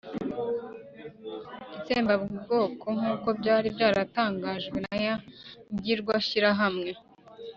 itsembabwoko nkuko byari byatangajwe na ya ngirwashyirahamwe.